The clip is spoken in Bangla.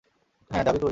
হ্যাঁ, যাবি তুই।